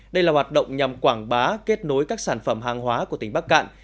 đây là hoạt động nhằm quảng bá kết nối các sản phẩm hàng hóa của tỉnh bắc cạn